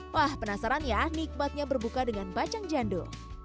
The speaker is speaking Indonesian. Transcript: wah penasaran ya nikmatnya berbuka dengan bacang jando